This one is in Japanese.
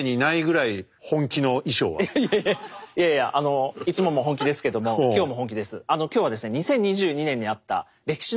いやいやいやいやいやいつもも本気ですけども今日も本気です。